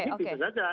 ini bisa saja